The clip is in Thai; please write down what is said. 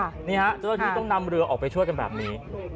นี่ค่ะที่ต้องนำเรือออกไปช่วยกันแบบนี้